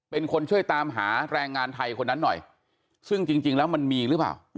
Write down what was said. เป็นคนช่วยตามหาแรงงานไทยคนนั้นหน่อยซึ่งจริงแล้วมันมีหรือเปล่า